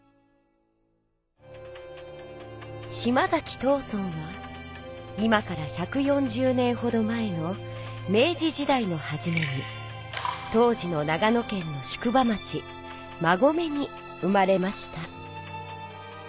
島崎藤村は今から１４０年ほど前の明治時代のはじめに当時の長野県の宿場町馬籠に生まれました。